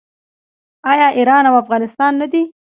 آیا ایران او افغانستان نه دي؟